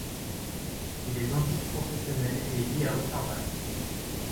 Il est dentiste professionnel et vit à Otterbach.